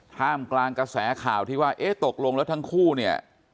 ท่ามกลางกระแสข่าวที่ว่าเอ๊ะตกลงแล้วทั้งคู่เนี่ย